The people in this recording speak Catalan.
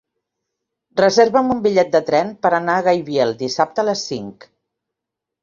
Reserva'm un bitllet de tren per anar a Gaibiel dissabte a les cinc.